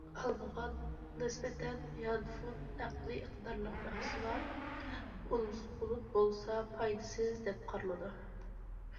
ئالمىغا نىسبەتەن، يانفون ئەقلىي ئىقتىدارلىق مەھسۇلات، بۇلۇت بولسا پايدىسىز دەپ قارىلىدۇ.